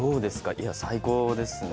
いや、最高ですね。